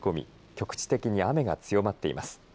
局地的に雨が強まっています。